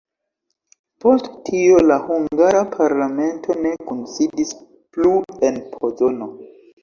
Post tio la hungara parlamento ne kunsidis plu en Pozono.